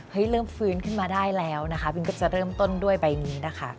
เริ่มฟื้นขึ้นมาได้แล้วนะคะบินก็จะเริ่มต้นด้วยใบนี้นะคะ